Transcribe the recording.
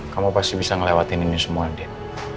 kamu pasti bisa melewati ini semua din